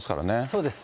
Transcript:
そうです。